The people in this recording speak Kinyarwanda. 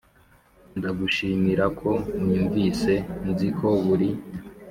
ndagushimira ko unyumvise Nzi ko buri